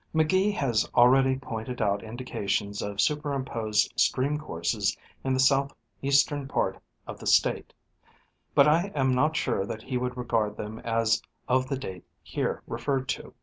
McGee has already pointed out indications of superimposed stream courses in the south eastern part of the State ;* but I am not sure that he would regard them as of the date here referred to.